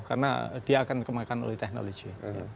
karena dia akan kemakan oleh teknologi